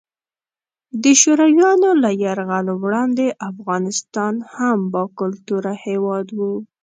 د شورویانو له یرغل وړاندې افغانستان هم باکلتوره هیواد وو.